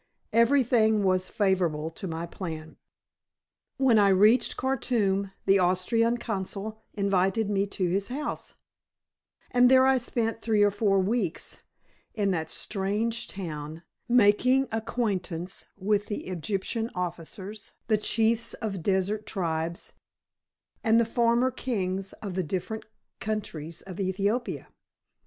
Everything was favorable to my plan. When I reached Khartoum, the Austrian consul invited me to his house; and there I spent three or four weeks, in that strange town, making acquaintance with the Egyptian officers, the chiefs of the desert tribes and the former kings of the different countries of Ethiopia.